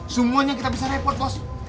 semuanya kita bisa repot bos